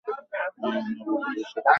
এই আনবু, বলেছিলি না ওর বউ একজন পুলিশ?